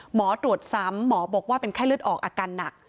หมอตรวจซ้ำหมอบอกว่าเป็นไข้เลือดออกอาการหนัก